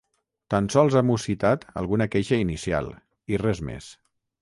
Tan sols ha mussitat alguna queixa inicial, i res més.